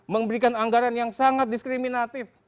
memberikan anggaran yang sangat diskriminatif